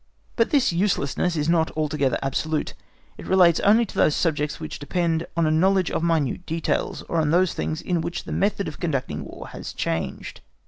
But this uselessness is not altogether absolute, it relates only to those subjects which depend on a knowledge of minute details, or on those things in which the method of conducting war has changed.